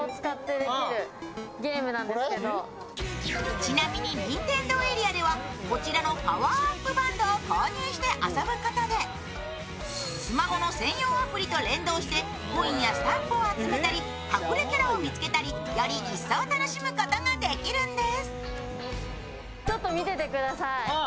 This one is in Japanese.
ちなみにニンテンドーエリアではこちらのパワーアップバンドを購入して遊ぶことでスマホの専用アプリと連動してコインやスタンプを集めたり、隠れキャラを見つけたりより一層楽しむことができるんです。